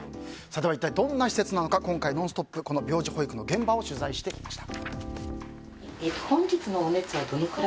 一体どんな施設なのか「ノンストップ！」は病児保育の現場を取材してきました。